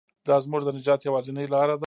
دا زموږ د نجات یوازینۍ لاره ده.